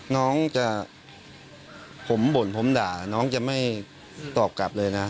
น้องจะผมบ่นผมด่าน้องจะไม่ตอบกลับเลยนะ